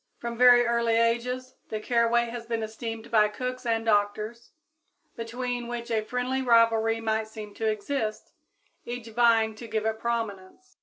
From very early ages the caraway has been esteemed by cooks and doctors, between which a friendly rivalry might seem to exist, each vying to give it prominence.